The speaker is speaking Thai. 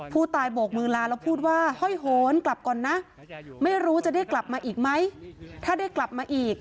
ผู้ตายโบกมือลาแล้วพูดว่าห้อยโหนกลับก่อนนะไม่รู้จะได้กลับมาอีกไหม